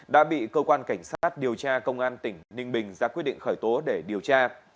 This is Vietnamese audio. đã bị cơ quan cảnh sát điều tra công an tỉnh ninh bình ra quyết định khởi tố để điều tra